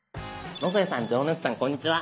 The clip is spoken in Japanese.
野添さん城之内さんこんにちは。